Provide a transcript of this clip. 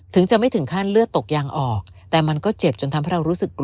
ถึงจะไม่ถึงขั้นเลือดตกยางออกแต่มันก็เจ็บจนทำให้เรารู้สึกกลัว